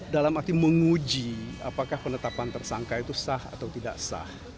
dalam arti menguji apakah penetapan tersangka itu sah atau tidak sah